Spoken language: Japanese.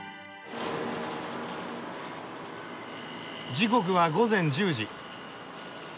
時刻は午前１０時。